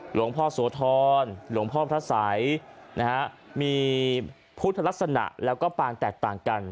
หลวงพ่อโสธรหลวงพ่อพระสัยนะฮะมีพุทธลักษณะแล้วก็ปางแตกต่างกัน